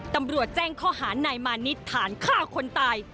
ตำรวจแจ้งข้อหานายมานิดฐานฆ่าคนตาย